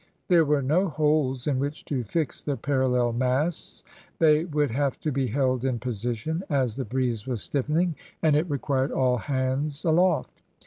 There were no holes in which to fix the parallel masts. They would have to be held in position, as the breeze was stiffening, and it required all hands aloft.